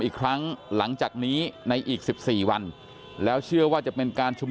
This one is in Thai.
อีกครั้งหลังจากนี้ในอีก๑๔วันแล้วเชื่อว่าจะเป็นการชุม